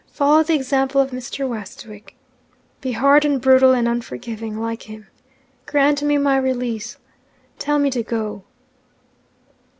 Follow the example of Mr. Westwick. Be hard and brutal and unforgiving, like him. Grant me my release. Tell me to go.'